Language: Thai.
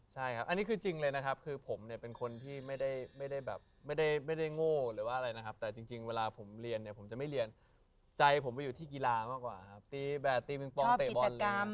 ใช่ครับอันนี้คือจริงเลยนะครับคือผมเนี่ยเป็นคนที่ไม่ได้แบบไม่ได้โง่หรือว่าอะไรนะครับแต่จริงเวลาผมเรียนเนี่ยผมจะไม่เรียนใจผมไปอยู่ที่กีฬามากกว่าครับตีแบบตีปิงปองเตะบอลเลยครับ